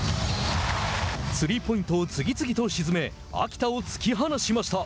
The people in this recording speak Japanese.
スリーポイントを次々と沈め秋田を突き放しました。